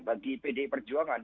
bagi pdi perjuangan